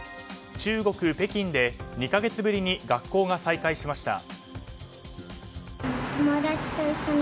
中国・北京で２か月ぶりに学校が再開しました。